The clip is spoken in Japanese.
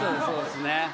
そうですね。